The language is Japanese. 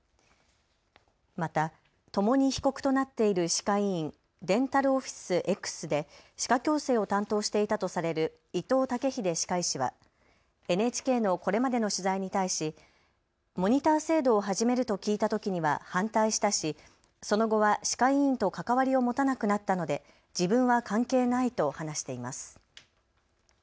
またともに被告となっている歯科医院、ＤｅｎｔａｌＯｆｆｉｃｅＸで歯科矯正を担当していたとされる伊藤剛秀歯科医師はＮＨＫのこれまでの取材に対しモニター制度を始めると聞いたときには反対したしその後は歯科医院と関わりを持たなくなったので自分は関係ないと話しています。